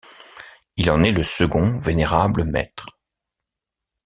Il en est le second vénérable maitre.